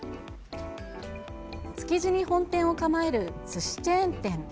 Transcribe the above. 築地に本店を構えるすしチェーン店。